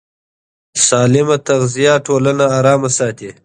سالمه تغذیه ټولنه ارامه ساتي.